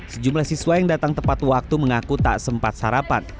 sejumlah siswa yang datang tepat waktu mengaku tak sempat sarapan